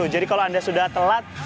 jadi kalau anda sudah telat